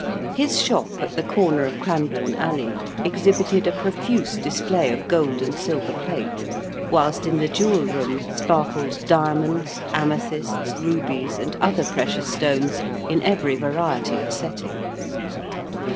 His shop at the corner of Cranbourne Alley exhibited a profuse display of gold and silver plate, whilst in the jewel room sparkled diamonds, amethysts, rubies, and other precious stones, in every variety of setting.